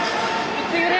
いってくれ！